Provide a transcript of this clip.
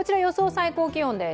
最高気温です。